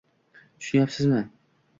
tushunyapsizmi